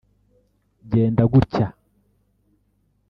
genda gutya